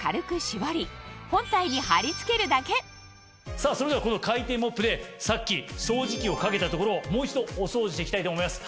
さぁそれではこの回転モップでさっき掃除機をかけた所をもう一度お掃除していきたいと思います。